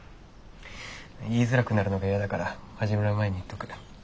言いづらくなるのがイヤだから始まる前に言っとく。